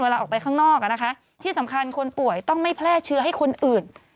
เวลาออกไปข้างนอกที่สำคัญคนป่วยต้องไม่แพร่เชื้อให้คนอื่น